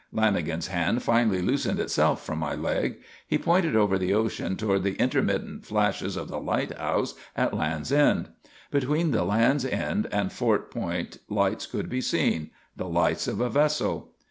Lanagan's hand finally loosened itself from my leg. He pointed over the ocean toward the intermittent flashes of the lighthouse at Land's End. Between the Land's End and Fort Point lights could be seen the lights of a vessel.